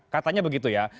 katanya begitu ya